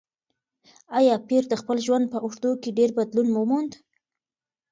ایا پییر د خپل ژوند په اوږدو کې ډېر بدلون وموند؟